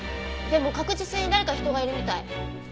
でも確実に誰か人がいるみたい。